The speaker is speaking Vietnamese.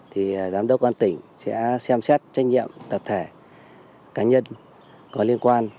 thì giám đốc công an tỉnh sẽ xem xét trách nhiệm tập thể cá nhân có liên quan